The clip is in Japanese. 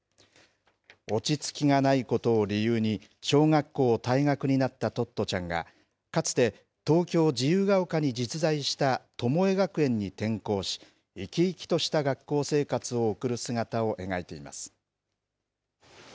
落ち着きがないことを理由に小学校を退学になったトットちゃんが、かつて東京・自由が丘に実在したトモエ学園に転校し、生き生きとした学校生活を送る姿を描いています。